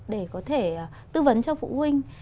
để có thể tư vấn cho phụ huynh